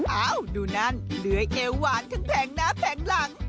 อ้าวดูนั่นเดือยเอวหวานแข็งแผงหน้าแข็งหลัง